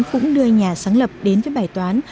cũng đưa nhà sáng lập đến với bài toán